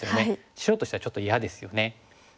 白としてはちょっと嫌ですよね。